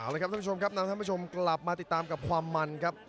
แล้วครับท่านผู้ชมครับนำท่านผู้ชมกลับมาติดตามกับความมันครับ